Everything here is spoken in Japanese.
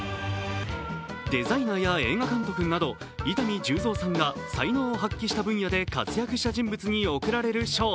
デザイナーや映画監督など伊丹十三さんが才能を発揮した分野で活躍した人物に贈られる賞。